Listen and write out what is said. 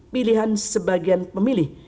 pilihan sebagian pemilih